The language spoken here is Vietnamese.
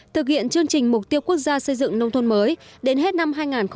thực hiện chương trình mục tiêu quốc gia xây dựng nông thôn mới đến hết năm hai nghìn hai mươi